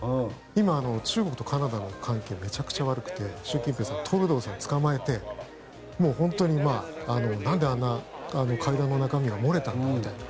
今、中国とカナダの関係めちゃくちゃ悪くて習近平さんトルドーさんつかまえて本当になんであんな会談の中身が漏れたんだみたいな。